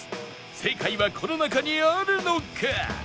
正解はこの中にあるのか？